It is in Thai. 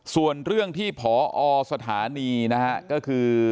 ส่วนเรื่องที่พอสถานีนะฮะก็คือ